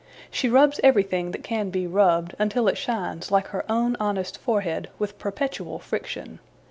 She rubs everything that can be rubbed, until it shines, like her own honest forehead, with perpetual friction.